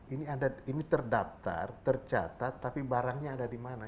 ini terdaftar tercatat tapi barangnya ada di mana